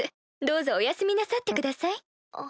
どうぞお休みなさってください。